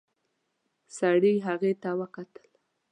سړي هغې ته وکتل.